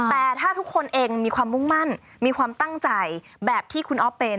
แต่ถ้าทุกคนเองมีความมุ่งมั่นมีความตั้งใจแบบที่คุณอ๊อฟเป็น